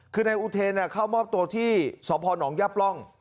คือนายอุเทนเข้ามอบตัวที่สพนยับร่อง